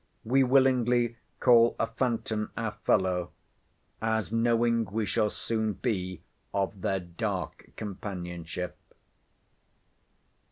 We willingly call a phantom our fellow, as knowing we shall soon be of their dark companionship.